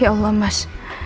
ya allah mas